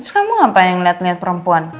lalu kamu ngapain liat liat perempuan